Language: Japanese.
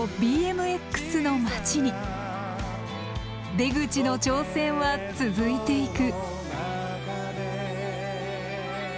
出口の挑戦は続いていく。